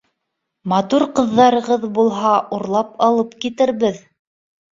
Матур ҡыҙҙарығыҙ булһа, Урлап алып китербеҙ